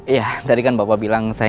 ya tadi kan bapak bilang saya gak boleh